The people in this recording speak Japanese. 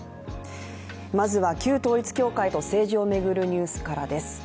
まずは旧統一教会と政治を巡るニュースからです。